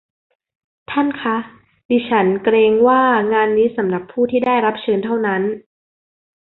ท่านคะ ดิฉันเกรงว่างานนี้สำหรับผู้ที่ได้รับเชิญเท่านั้น